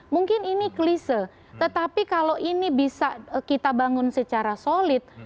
mungkin ini klise tetapi kalau ini bisa kita bangun secara solid